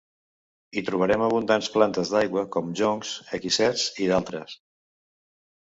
Hi trobarem abundants plantes d'aigua com joncs, equisets i d'altres.